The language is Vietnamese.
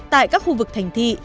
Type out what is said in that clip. tại các khu vực thành thị